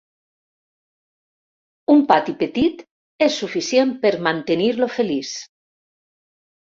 Un pati petit és suficient per mantenir-lo feliç.